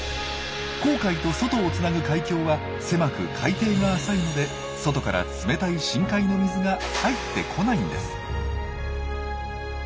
紅海と外をつなぐ海峡は狭く海底が浅いので外から冷たい深海の水が入ってこないんです。